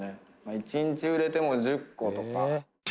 １日売れても１０個とか。